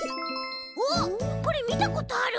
おっこれみたことある。